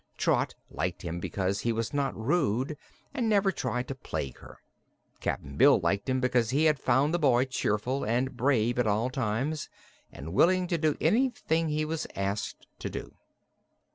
Trot liked him because he was not rude and never tried to plague her. Cap'n Bill liked him because he had found the boy cheerful and brave at all times, and willing to do anything he was asked to do.